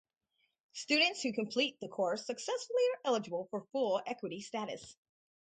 Students who complete the course successfully are eligible for full Equity status.